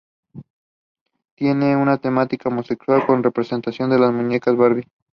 Tiene una temática homosexual, con una representación de las muñecas Barbie.